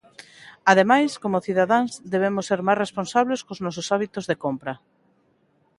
Ademais, como cidadáns, debemos ser máis responsables cos nosos hábitos de compra.